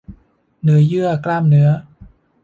เนื้อเยื่อกล้ามเนื้อ